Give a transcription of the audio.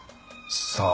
さあ。